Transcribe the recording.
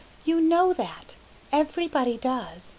You know that. Everybody does.